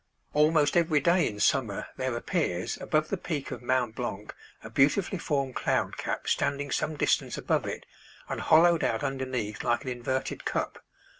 Almost every day in summer there appears above the peak of Mount Blanc a beautifully formed cloud cap standing some distance above it and hollowed out underneath like an inverted cup.